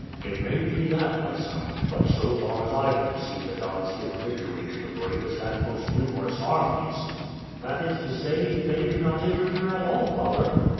"It may be that, my son; but so far as I can see the gods give victory to the bravest and most numerous armies." "That is to say, they do not interfere at all, father."